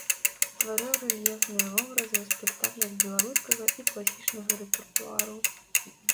Стварыў рэльефныя вобразы ў спектаклях беларускага і класічнага рэпертуару.